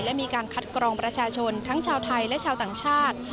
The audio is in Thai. และมีการคัดกรองประชาชนทั้งชาวไทยและชาวต่างชาติ